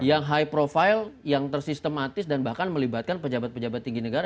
yang high profile yang tersistematis dan bahkan melibatkan pejabat pejabat tinggi negara